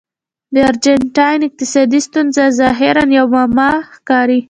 د ارجنټاین اقتصادي ستونزه ظاهراً یوه معما ښکاري.